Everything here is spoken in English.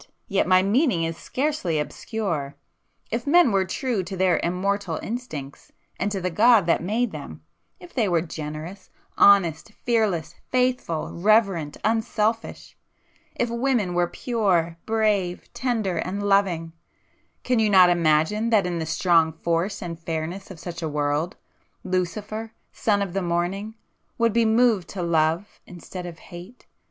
Yet my meaning is scarcely obscure! If men were true to their immortal instincts and to the God that made them,—if they were generous, honest, [p 442] fearless, faithful, reverent, unselfish, ... if women were pure, brave, tender and loving,—can you not imagine that in the strong force and fairness of such a world, 'Lucifer, son of the Morning' would be moved to love instead of hate?